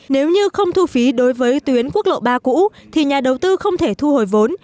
nếu như không thu phí đối với tuyến quốc lộ ba cũ thì nhà đầu tư không thể thu hồi vốn